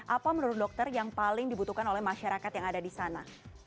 apa menurut dokter yang paling dibutuhkan oleh masyarakat yang ada di sana